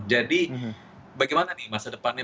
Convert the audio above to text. jadi bagaimana nih masa depannya